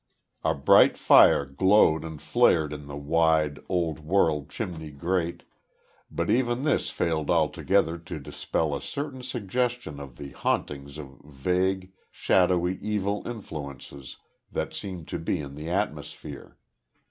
A bright fire glowed and flared in the wide, old world chimney grate, but even this failed altogether to dispel a certain suggestion of the hauntings of vague, shadowy evil influences that seemed to be in the atmosphere.